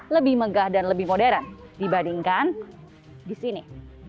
lebih megah dan lebih modern dibandingkan di sini